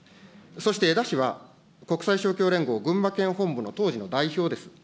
そして、えだ氏は、国際勝共連合群馬県本部の当時の代表です。